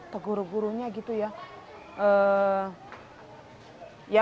teguru gurunya gitu ya